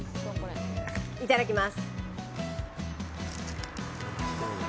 いただきます。